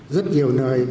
rất nhiều nơi